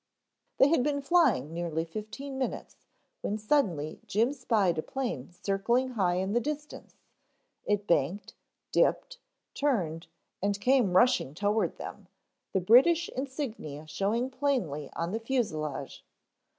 They had been flying nearly fifteen minutes when suddenly Jim spied a plane circling high in the distance. It banked, dipped, turned and came rushing toward them, the British insignia showing plainly on the fuselage.